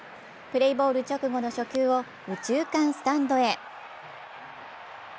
プレーボール直後の初球を右中間スタンドへ。